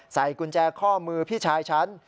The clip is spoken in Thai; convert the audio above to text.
ใส่กุญแจข้อมือพี่ชายฉัน